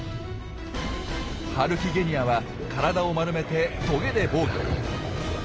ハルキゲニアは体を丸めてトゲで防御。